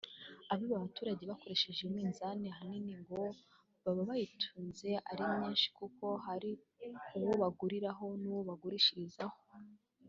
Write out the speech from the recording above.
Abiba abaturage bakoresheje iminzani ahanini ngo baba bayitunze ari myinshi kuko hari uwo baguriraho n’uwo bagurishirizaho